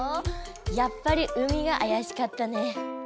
やっぱり海があやしかったね。